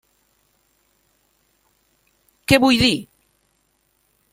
Què vull dir?